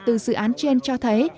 từ dự án trên cho thấy